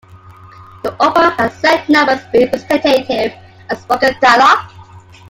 The opera has set numbers with recitative and spoken dialog.